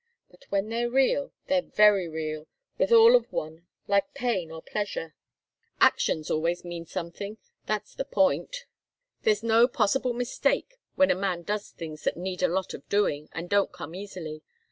But when they're real, they're very real, with all of one, like pain or pleasure. Actions always mean something. That's the point. There's no possible mistake when a man does things that need a lot of doing, and don't come easily.